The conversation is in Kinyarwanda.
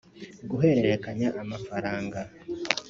guhererekanya amafaranga